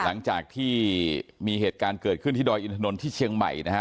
หลังจากที่มีเหตุการณ์เกิดขึ้นที่ดอยอินทนนท์ที่เชียงใหม่นะฮะ